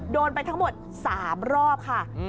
โดนไปทั้งหมด๓รอบค่ะ